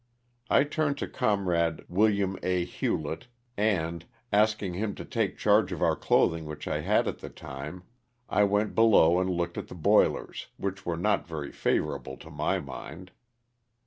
I turned to Com rade Wm. A Hulit, and, asking him to take charge of our clothing which I had at the time, I went below and looked at the boilers, which were not very favorable to my mind.